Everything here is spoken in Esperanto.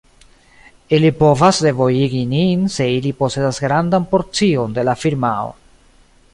Ili povas devojigi nin se ili posedas grandan porcion de la firmao.